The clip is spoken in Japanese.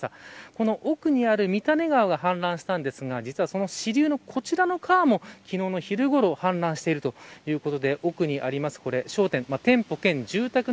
この奥にある三種川が氾濫したんですが実はこの支流のこちらの川も昨日の昼から氾濫しているということです。